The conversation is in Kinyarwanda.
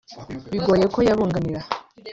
bigoye ko yabunganira